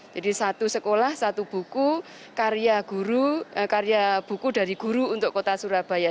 jadi satu sekolah satu buku karya buku dari guru untuk kota surabaya